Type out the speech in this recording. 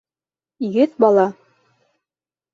Йөҙ бала.